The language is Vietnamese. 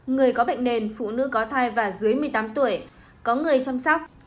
người có bệnh nền phụ nữ có thai và dưới một mươi tám tuổi có người chăm sóc